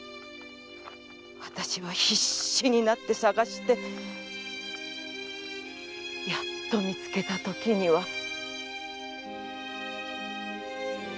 わたしは必死になって捜してやっと見つけたときには。